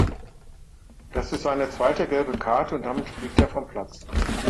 Das ist seine zweite gelbe Karte und damit fliegt er vom Platz.